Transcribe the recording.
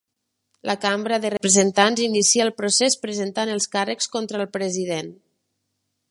La Cambra de Representants inicia el procés presentant els càrrecs contra el president.